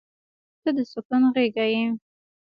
• ته د سکون غېږه یې.